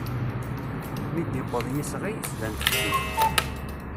Mi d-iwweḍ yisɣi, tban tefsut.